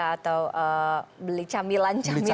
atau beli camilan camilan